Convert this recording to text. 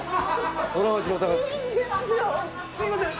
すみません。